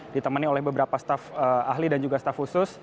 ditemani oleh beberapa staf ahli dan juga staf khusus